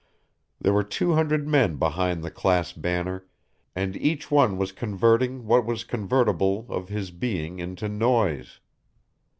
There were two hundred men behind the class banner, and each one was converting what was convertible of his being into noise.